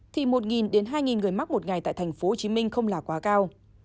thì một đến hai người mắc một ngày tại tp hcm không là quá cao